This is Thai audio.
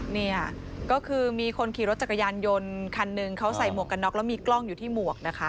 เนี่ยก็คือมีคนขี่รถจักรยานยนต์คันหนึ่งเขาใส่หมวกกันน็อกแล้วมีกล้องอยู่ที่หมวกนะคะ